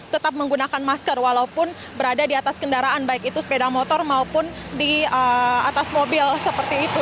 tetap menggunakan masker walaupun berada di atas kendaraan baik itu sepeda motor maupun di atas mobil seperti itu